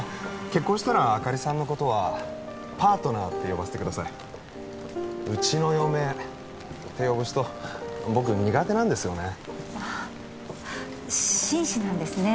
結婚したら明里さんのことはパートナーって呼ばせてください「うちの嫁」って呼ぶ人僕苦手なんですよねああ紳士なんですね